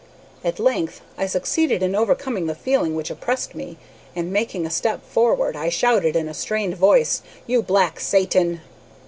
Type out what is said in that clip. At length I succeeded in overcoming the feeling which oppressed me, and, making a step forward, I shouted in a strained voice, "'You black Satan!'